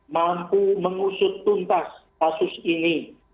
mampu mengusut tuntas kasus ini